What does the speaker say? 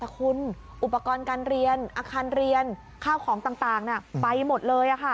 แต่คุณอุปกรณ์การเรียนอาคารเรียนข้าวของต่างไปหมดเลย